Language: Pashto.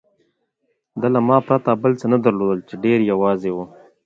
ده له ما پرته بل څه نه درلودل، چې ډېر یوازې و.